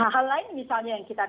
hal lain misalnya yang kita